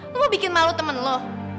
lo gue bikin malu temen lo